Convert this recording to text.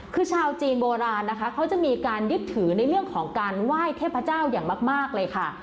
คือชาวจีนโบราณนะคะเขาจะมีการยึดถือในเรื่องของการไหว้เทพเจ้าอย่างมากเลยค่ะ